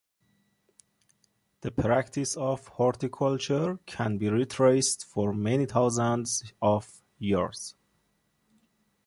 The practice of horticulture can be retraced for many thousands of years.